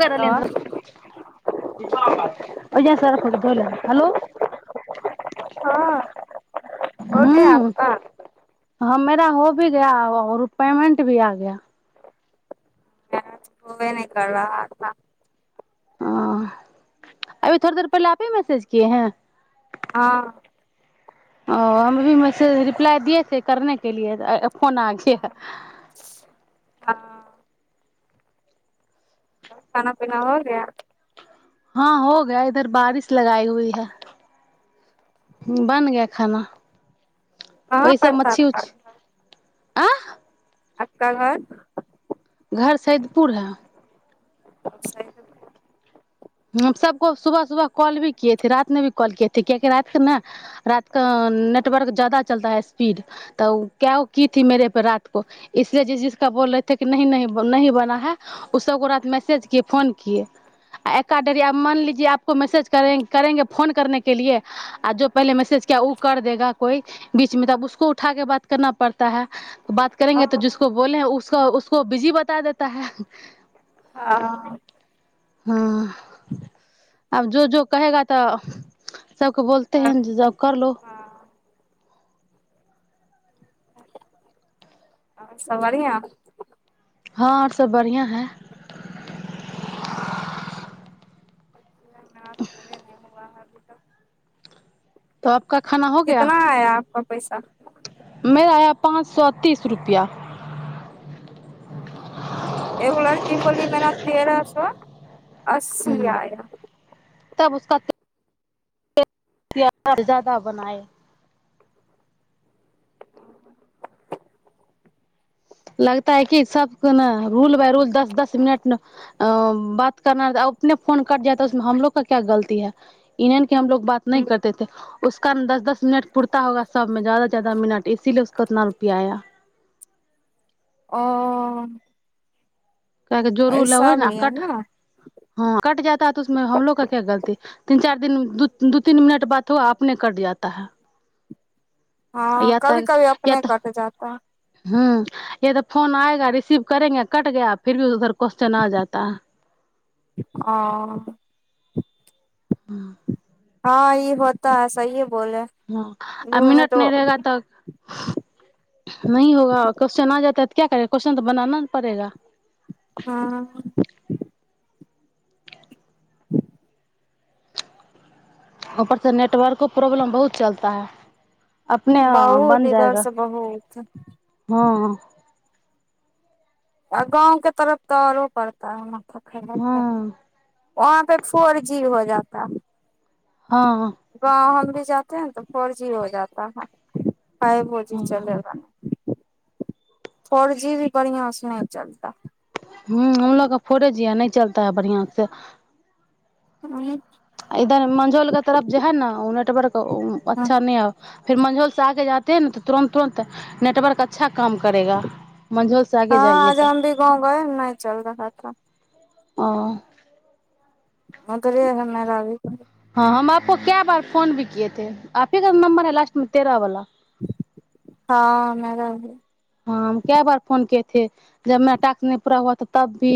क हेलो रहलिएन अजन हेलो हाँ हो गया हँ हँ मेरा हो भी गय आओर पेमेंट भी आ गया मैच होबे नहि कर रहा था ओ अभी थोड़े देर पहिले आप ही मैसेज किए हैं हँ ओ हम अभी मेसेज रिप्लाई दियए से करने के लिए फोन आके हँ खाना पीना हो गया हँ हो गया इधर बारिश लगई हुई है बन गया खाना हँ प्रसाद प आँह आप का घर घर सैदपुर है सैदपुर सबको सुबह सुबह कॉल भी कएथे रात मे भी कॉल कएथे कियाकि रात के ने रात क नेटवर्क जदा चलता है स्पीड तऽ क्य की थी मेर पे रात को इसलि जि जिसका बोल रहे थे कि न नहीं बना है ओ सबको र मैसेज किए फोन किए काट एरिया में मान लीजि आपको मैसेज कर करेंगे फोन करने के लि आ जो पहिले मैसेज किया ओ कर देेगा कोइ बीच मे तऽब उसको उठा के बात करना पड़ता है बात हाँ करेंगे तऽ जिसको बोले हैं उसको उस उको बिजी बता देता है हँ हँ आब जो जो कहेगा तऽ सबके बोले घर- है जे जॉब कर लो हाँ आओर सब बढियाँ हँ आओर सब बढ़िआं है नहि नहि पूहे नहि हुआ है तक तो आपका खाना हो गया कितना आया आपका पैसा मेरा आया पाँच सए तीस रुपैआ क अस्सी आया तब उसका तऽ ज्यादा बनाए लगता है क सब को ने रूल बाय रूल दस दस मिनट अ बात करना अपने फोन कट जाय त उसमे हमलोग क क्य गलती है इ की हमोग बात नहि हम्म, करतेथे उसक दस दस मिनट पूुरता होगा सबमें ज्यदा से जादा मिनट इसीलि उसको उतना रुपआ आया ओ काह जोरू ले हो ऐसा ने भी है कट ना ह कट जा तऽ उसमे हमलोग का क्या गलती तीन चार दिन दू तीन मिनट बात हुआ अपने कट जाता है हाँ या कभी तऽ कभी या अपने तऽ कट जाता है हूँ कियेतऽ फोन आएगा रिसीव करेंगे कट गया फिर भी उधर क्वेश्चन आ जाता है ओ हँ हँ ई होता है सहिये हँ आ मिनट नहि रहेगा तऽ नहि होगा और क्वेश्चन आ जाता है तऽ क्या करे क्वेश्चन त बनाना न पड़ेगा हँ ऊपरसे नेटवर्को प्रॉब्लम बहुत चलता है अपने आ, बहुत बन जाएगा इधरसँ बहुत हाँ आ गाँव के तरफ तऽ आओरो पड़ता है न अखैन नै ये [unintelligible] हाँ वहाँ पे फोर जी हो जाता है हँ जाये है न तऽ फोर जी हो जाता है फाइबोजी हाँ चलेगा फोर जी भी बढ़ियां से नहि चलता है हूँ हमलोग के फोरे जी है नहि चलता है बढ़ियां से उंह आ इधर मंझौल के तरफ जो है न उ नेटवर्क अच्छा नहि है फिर मंझौल से आगे जाते है नऽ तुरन्त तुरन्त नेटवर्क अच्छा काम करेगा मंझौल से हँ आगे जाएंगे आज तो हम भी गाँव गए न नहि चल रहा था ओ हँ तऽ वहि है मेरा भी हाँ हम आपको कै बार फोन भी किए थे आपही का न नंबर है लास्टमे तेरह वला हँ मेरा ही है हँ हम कै बार फोन किये थे जब मेरा टास्क नहि पूरा हुआ था तब भी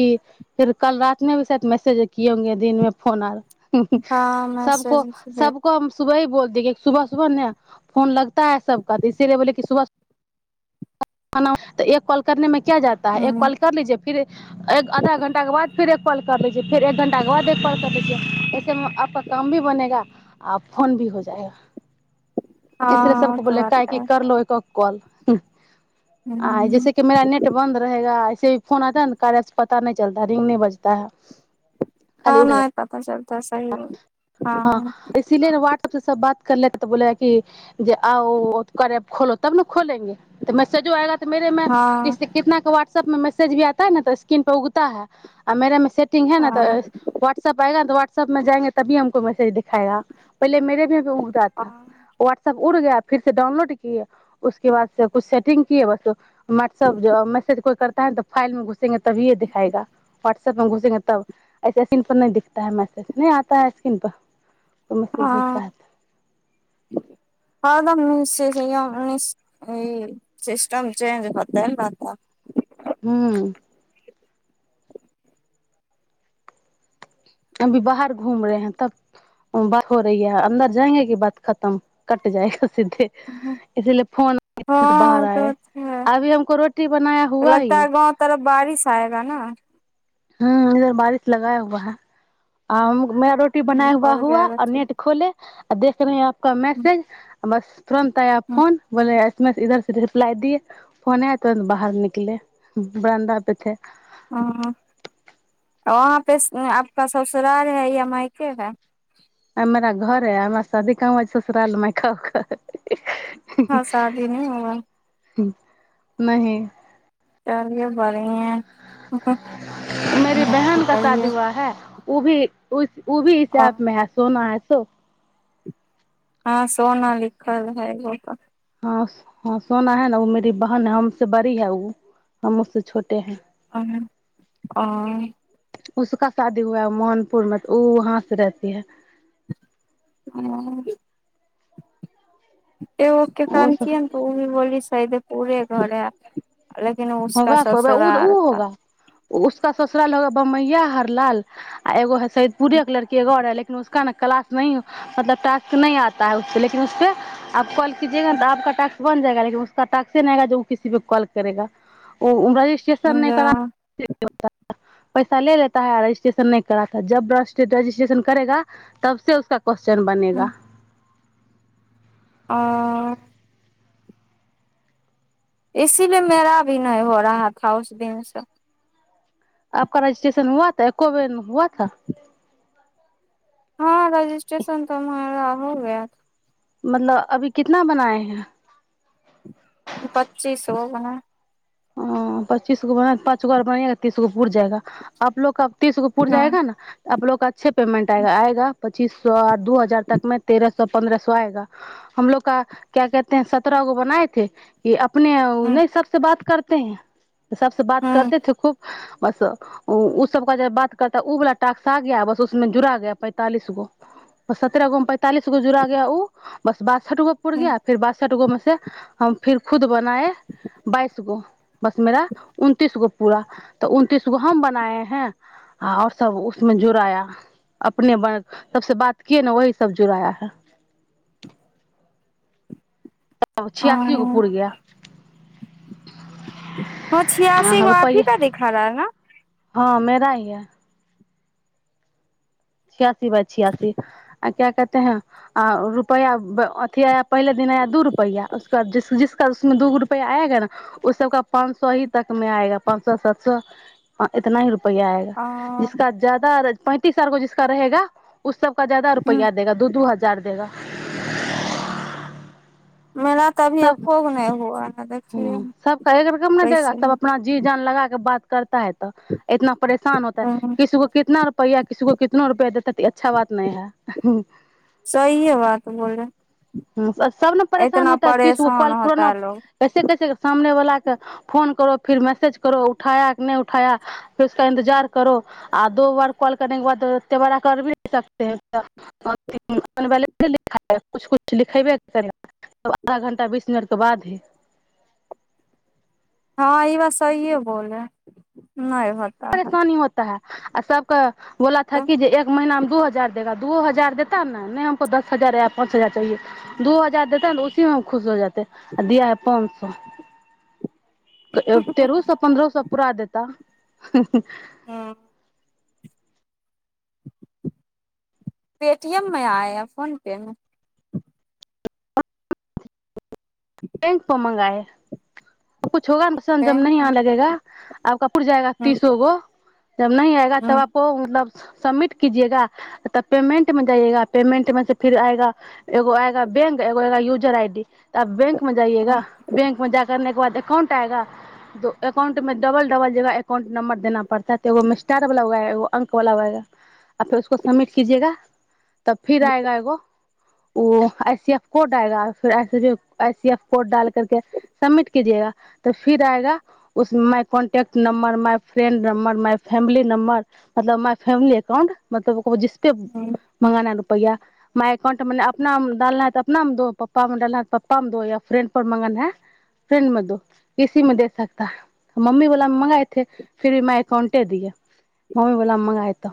फेर कल रात मे भी शायद मैसेज किये होंगे दिनमे फोन आर हूं हूं हाँ सबको मैसेज सबको हम सुबहि बोल दिए कि सुबह सुबह ने फोन लगता है सबका तऽ इसीलिए बोले कि सुबह सुबह तऽ एक कॉल करनेमे क्या जाता है एक हम्म कॉल कर लीजे फिर एक आधा घं्टाे के बाद फि एक कॉल कर लीजे फिर एक घण्टा के बाद एक कॉल कर लीज ऐसेमे आपका काम भी बनेगा आ फोन भी हो जाएगा इसलिए हाँ सबको तो बोले बात काहे कि है कर लो एको कल आ हम्म जैसे कि मेरा नेट बंन्द रहेगा ऐसे फोन आता है ना कार्या से पता नहि चलता रिंग नहि बजता है ह नहि पता चलता है हँ इसीलिए ना वाटसप से सब बात कर ले तऽ बोल क जे आउ करे खोलो तब ने खोलेंगे तऽ मैसेजो आएगा मेरे मे किस हँ कितना क वाट वट्सप मे मेसेज भी आता है ना त स्क्रन पर उगता है आ मेरा मे सज सेटिंग है न तऽ हँ व्ा्सअप पर आयेगा ना त सब मे जाएंगे तभी हमको मैसेज दिखायेगा पहिले मेरे मे उगता था व्हाट्सऐप उड़ गय फिर से डाउनलोड किए उसके बाद से कुछ सेटिंग किए बस वा्सअप जो मेसेज कोइ कर टाइ फइल मे घुसंगे तभीयै दिखाएा व्ाट्सऐप मे घुसेंगे तब ऐस स्कीन पर नहि दिख है मै नहि आता है स्क्रन पर तब मैसेज भेजता है हँ [unintelligible] एक ई सिस्टम चेंज होते रह ह्म अभी बाहर घूम रहे है तब बात हो रही ह अन्दर जाएंगे की बात खतम कट जाएगा सीधे हँ इसीलिए फोन बाहर वो तो आए है अभी हमको रोटी बनाया तो हुआ ही लगता है गाँव तरफ बारिश आएगा न ह इधर बारिश लगाया हुआ है आ मे रोटी बनाय हुआ पड़ हुआ जाएगा आओर ठीक नेट खोले आ देख रहेैं है का मैसेज हमस तुरन्त आया फोन बोलै इधर से रिप्लाई दिय फोन आ तुरन्त बाहर निकले बरन्दा पे थे हँ वहाँ पे आपका ससुराल है या मायके है हमरा घरे हमरा शादि काहा हुआ है ससुराल मे हँ शादी नहि हुआ नहि चलियै बात पहिए [unintelligible] उभी ओ ओ भी इसे आ मे है सोना हे तो हँ सोना लिखल है एगोका ह ह सोना है न ओ मेरी बहन है हमसे बड़ी है ओ हम उस से छोटे हैं ह आ उसका शादी हुआ है मोहनपुर में तऽ ओ वहाँ से रहती है ओ एगो के वो कान सब किय ने तऽ ओ भी बोल साायद उहे घर है लेकिन उसका ससुराल उक ससुराल होगा बमैया हरलाल आ एगो है सदपुरे के लड़की एगो आर है लेकिन उसका ने क्लास नहि मतलब टास्क नहि आता ह उसपे लेकिन उसपे आप कॉल कीजएगा ने त आपक टास्क बन जाएगा लेकिन उसक टास्से नहि आगा जब ओ किसी पे कॉल करेगा ओ वहि [unintelligible] पैसा ले लता है रजिस्ट्रेशन नहि कराता है जब रजिस्ट्रेशन करेगा तब से उसका क्वस््चन बनेगा ओ इसीलिए मेरा भी नहि हो रहा था उस दिन से आपक रजिस्ट्रेशन हुआ था एको बेर हुआ था हँ रजिस्ट्रेशन तऽ हमरा हो गया मतलब अभी कितना बनाए हैं पच्चीस गो बनाये है ओ पच्चीस गो बन पाँच गोर बनेग तीस गो पुर जाएगा आप लोग तीसगो पूुर हाँ जाएगा ने आप लोग का अच्छे पेमंट आएगा आयेगा पच्चीस सए आ दू हजार तकमे तेरह सए पन्द्रह सए आएगा हमलोग का क्या कहतेै सत्रह गो बनाएथे कि अपने नहि सबसँ बात करते है सबसँ बात करते थे खूब बस ओ सब क जब बात करता ओ वाला टाक्स आ गया बस उसमें जुड़ा गय पैंतालिस गो ब सत्रह गो में पैंतालिस गो जुड़ा गया ओ बस ब टुको पुर गिया फिर बासठ गो मे से फिर खुद ब नाये बा उस गो बस मेरा उनतीस गो पूरा तऽ उनतीस गो हम बनाए है ओर सब उसमे जुड़य अपने बन सबबस बात किए ने वह सब जुड़ा है अब छआसी गो पूड़ गया ह छियसी गो आपहिका दिखा रहा है न हँ मेरा ही है छियासठ बाइ छियासी आ क्या है आ रुपैआ अथी आया पहिला दिन आया दू रुपैया आ उस दिन बाद जिस जिसका उसमे दू रुपया आएगा ने उस सबका पाँच सए ही तक मे आएगा पाँच सए सात सए इतना ही रुप पया आएगा ना ह जिसका ज्यादा पैन्तिस ओर गै जिस जिसका रहेगा उस सबका ज्यादा रुपया देगा दू दू हजार हजार देगा मेरा तऽ अभी सब एको नहि हुआ ने देख ह सब कहे कर के हम नहि देगा सब अपना जी जान लगाा के बात करता है तऽ इतना परेशान होता है किस को कितना रुपैआ किसी को कितना इतना रुपया देता है त अच्छा बात नहि है सहिए बात बोले हूँ सब ने परेशान इतना होता है तीसो परेशान कॉल होता पुराना है लोग कैसे कैसे सामने वाला फोन करो फिर मैसेज करो उठाय नहि उठाया फर उसा इन्तजार करो आ दो बार कॉल करने के बाद एते बड़ा कर भी नहि सकत है [unintelligible] लिखयबे कर करै गा तब आधा घण्टा बीस मिनटके बाद हे हँ ई बात सहिए बोलै नहि परेशानी होता है आ सबके बोला था तो कि जे एक महिना मे दू हजार देगा दू हजार देता ने नहि हमको दस हजार या पाँच हजार चाहिए दू हजार देताै तऽ उसी मे हम खुश हो जा जेते आ दिया है पाँच सए तेरहो सए पन्द्रहो सए पूरा देता हू हँ पेटीएम मे आय या फोन पे मे बैंक प मगाए कु होग ने बसन जम बैंक नहिी आ में? लगेगा आप का उट जाएगा हम्म, तीसो गो जब नहि आएगा हम्म, तबो मतलब सबमिट कजएगा तब पेमेंट मे जाइएगा पेमेंट मे से फिर आएगा एगो आएगा बैंक एगो आएगा यूजर आई डी त बैंक मे जाइएगा हम्म, बैंक मे जा करके एकाउंट आएगा तो एककाउंट में डबलडबल जगह एककाउंट नंबर देना पड़ताै तऽ एगो मि स्टार वाला ह एगो अंक वाला हएगा आ फेरसको सबमिट कीजेगा तब फिर हम्म, आएगा एगो ओ आई सी एफ कोड आएगा फिर आई सी एफ कोड ाल करके सबमिट कजएगा तऽ फिर आएगा उस my contact number my friend number my family number मतलब माय फैमिली अकाउंट मतलब जिस हम्म, मंगाना पैा मााय एकाउंट अपनामे डालना है तऽ अपनामे दो पप्पामे डालना है तऽ पप्पामे दो या फ्रेंड पर मङ्गन हैं फ्रेंड में दो इसी में दे सकता है मम्मी बला मे मंगाएथे फिर भी माय एकाउंटे दियए मम्मी बला मे मंगााय तो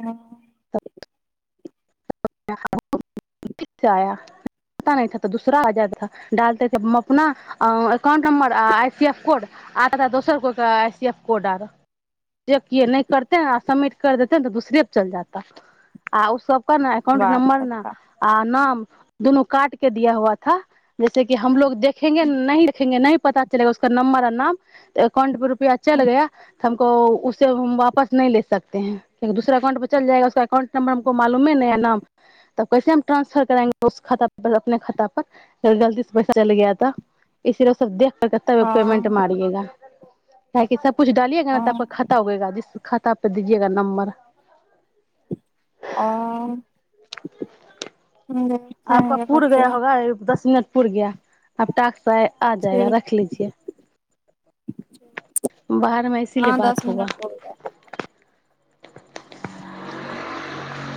ह तऽ दसराा डालतेथ अपना अाउंट नम्बर आ आई सी एफ कोड आता थ दोसर को आई सी एफ कोड आर करते सबमिट कर देते तऽ दूसरे पर चल जाता आ ओ सब ने एकाउंट बात नम्बर ने बता आर नाम दुनू काट के दिया हुआथ जैसे कि हमलो देखेंगे नहि देखेंगे नहि पता चलगा उक नं्बर आ नाम अाउंट पर रू भ अच्ा लगैय तऽ हमको उस हम वापस नहि ले सकेै कआि दूसरा अकाउंट पर चल जाएगा उसो अकाउंट नंबर हमको मालूम ह न या नाम तब कैसे हम ट्रंसफर कराएंगे उस खाता पर अपने खाता परर गलती से पैसा चल ग ता इसीलए सब देख कतब पेमेन्ट हँ मारियएगा क कि सब कु डालियगा ने तपक हँ खा होगेग जिस ख तपे दीजेगा नम्बर ओ आपक पूुर गय बच्चे होगा दस मिनट पुर गय आब ाक आ जाएगा ठीक रख लीजए [unintelligible] बारमें इसीलए हाँ बात दस हा मिनट हो गए।